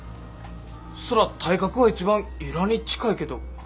そら体格は一番由良に近いけど。